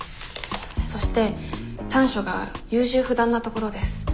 そして短所が優柔不断なところです。